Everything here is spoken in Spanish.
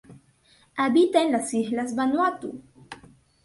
Habita en las Islas Vanuatu.